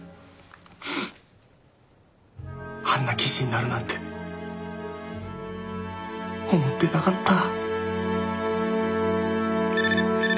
あんな記事になるなんて思ってなかった。